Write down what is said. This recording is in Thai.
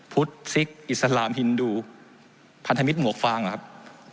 พุทธซิกอิสลามฮินดูพันธมิตรหมวกฟางเหรอครับ